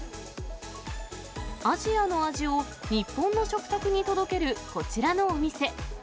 アジアの味を、日本の食卓に届けるこちらのお店。